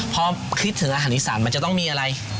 พอคิดถึงอาหารอีสานมันจะต้องมีอะไร